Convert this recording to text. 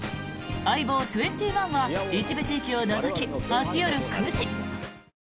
「相棒２１」は一部地域を除き、明日夜９時。